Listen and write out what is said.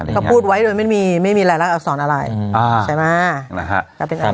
เขาพูดไว้โดยไม่มีหลายอักษรอะไรใช่ไหม